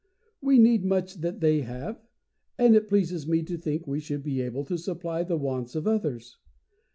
We need much that they have, and it pleases me to think we should be able to supply the wants of others.